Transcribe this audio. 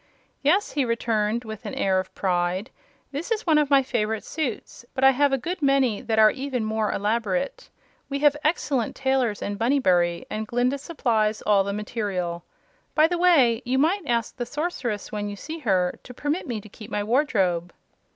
"Yes," he returned, with an air of pride, "this is one of my favorite suits; but I have a good many that are even more elaborate. We have excellent tailors in Bunnybury, and Glinda supplies all the material. By the way, you might ask the Sorceress, when you see her, to permit me to keep my wardrobe."